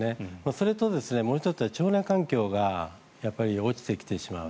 それともう１つは腸内環境が落ちてきてしまう。